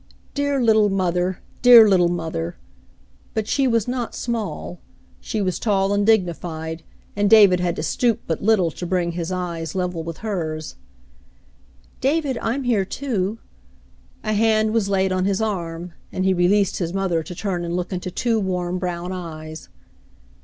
"Dear little mother! Dear little mother!" But she was not small. She was tall and dignified, and David had to stoop but little to bring his eyes level with hers. "David, I'm here, too." A hand was laid on his arm, and he released his mother to turn and look into two warm brown eyes.